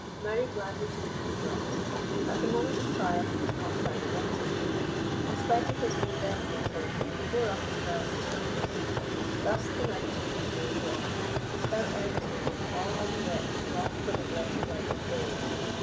Murray gladly took a few drops. At the moment of trial he was not found wanting. In spite of his more delicate frame, he bore up as well as the strongest. Thus the night drew slowly on. How earnestly did all on the wreck long for the blessed light of day.